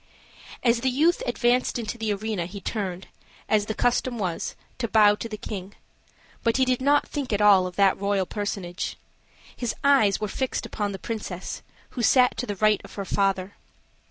As the youth advanced into the arena he turned, as the custom was, to bow to the king, but he did not think at all of that royal personage. His eyes were fixed upon the princess, who sat to the right of her father.